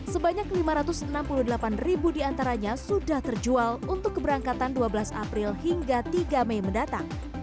sebanyak lima ratus enam puluh delapan ribu diantaranya sudah terjual untuk keberangkatan dua belas april hingga tiga mei mendatang